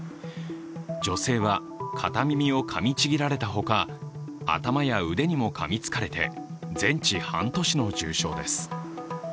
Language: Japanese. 女性は片耳をかみちぎられたほか頭や腕にもかみつかれて全治半年の重傷です。